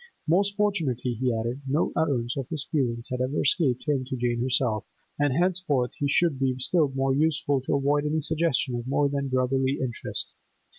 Most fortunately—he added—no utterance of his feelings had ever escaped him to Jane herself, and henceforth he should be still more careful to avoid any suggestion of more than brotherly interest.